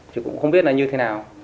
chứ cũng không biết là như thế nào